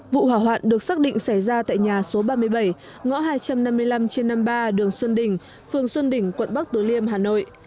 vụ hỏa hoạn được xác định xảy ra tại nhà số ba mươi bảy ngõ hai trăm năm mươi năm trên năm mươi ba đường xuân đình phường xuân đỉnh quận bắc từ liêm hà nội